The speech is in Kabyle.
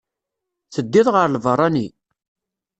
Teddiḍ ɣer lbeṛṛani?